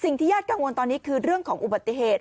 ญาติกังวลตอนนี้คือเรื่องของอุบัติเหตุ